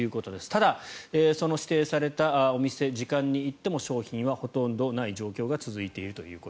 ただ、その指定されたお店時間に行っても商品は、ほとんどない状況が続いていると。